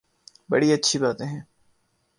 بڑی اچھی باتیں ہیں۔